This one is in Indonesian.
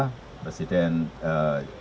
dengan presiden jokowi